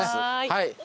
はい。